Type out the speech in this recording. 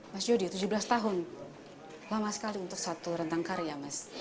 mas yudi tujuh belas tahun lama sekali untuk satu rentang karya mas